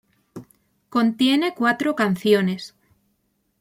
Contiene cuatro canciones.